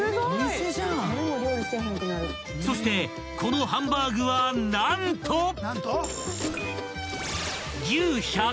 ［そしてこのハンバーグは何と］